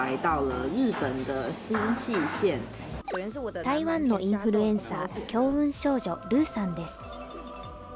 台湾のインフルエンサー、強運少女ＲＵさんです。